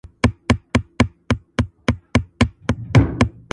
ککرۍ به ماتوي د مظلومانو٫